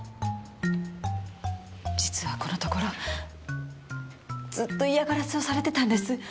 実はこのところずっと嫌がらせをされてたんです